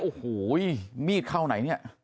โอ้โหมีดเข้าไหนเนี่ย